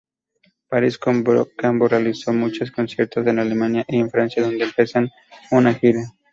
Paris Combo realiza muchos conciertos, en Alemania y en Francia donde empiezan una gira.